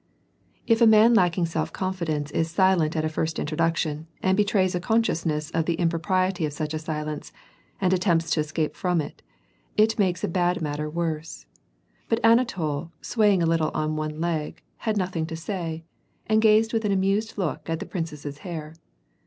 If a man lacking self confidence is silent at a first introduction, and betrays a consciousness of the impropriety of such a silence, and at tempts to escape from it, it makes a bad matter worse ; but Anatol, swaying a little on one leg. iiad nothing to say, and gazed with an amused look at the i)rinoess's hair.